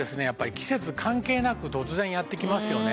季節関係なく突然やってきますよね。